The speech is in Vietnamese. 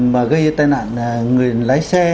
mà gây ra tai nạn người lái xe